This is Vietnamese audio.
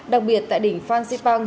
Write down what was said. đặc biệt tại đỉnh phan xipang